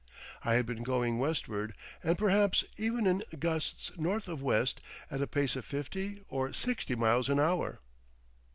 I had been going westward, and perhaps even in gusts north of west, at a pace of fifty or sixty miles an hour.